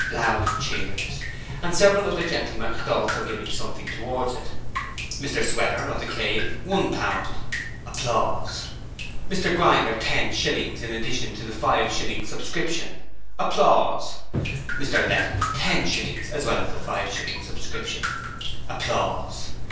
(Loud cheers.) And several other gentlemen had also given something towards it. Mr Sweater, of the Cave, one pound. Mr Grinder, ten shillings in addition to the five shilling subscription. Mr Lettum, ten shillings, as well as the five shilling subscription.